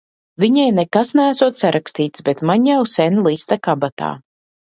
Viņai nekas neesot sarakstīts, bet man jau sen liste kabatā.